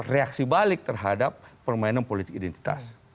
reaksi balik terhadap permainan politik identitas